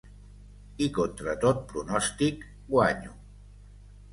I contra tot pronòstic, guanyo.